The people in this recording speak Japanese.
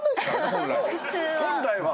本来は。